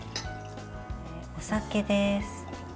お酒です。